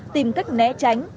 tìm cách né tránh